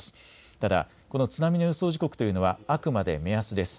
ただこの津波の予想時刻というのはあくまで目安です。